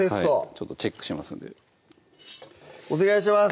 ちょっとチェックしますんでお願いします！